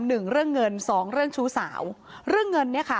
หนึ่งเรื่องเงินสองเรื่องชู้สาวเรื่องเงินเนี้ยค่ะ